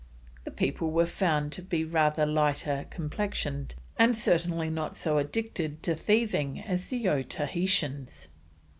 The people were found to be rather lighter complexioned, and certainly not so addicted to thieving as the Otaheitans.